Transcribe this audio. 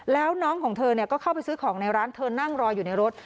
แล้วน้องของเธอก็เข้าไปซื้อของในร้านเธอนั่งรออยู่ในรถ